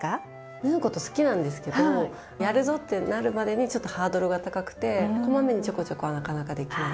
縫うこと好きなんですけどやるぞってなるまでにちょっとハードルが高くて小まめにちょこちょこはなかなかできない。